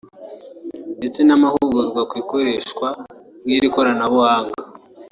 ndetse n’amahugurwa ku ikoreshwa ry’iri koranabuhanga